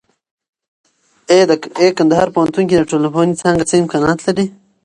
اې کندهار پوهنتون کې د ټولنپوهنې څانګه څه امکانات لري؟